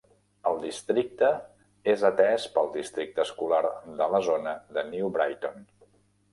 El districte és atès pel districte escolar de la zona de New Brighton.